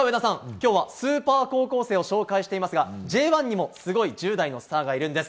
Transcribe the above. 今日はスーパー高校生を紹介していますがＪ１にもすごい１０代のスターがいるんです。